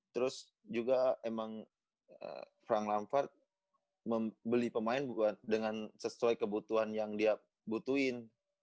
terus juga emang frank lamford membeli pemain dengan sesuai kebutuhan yang dia butuhin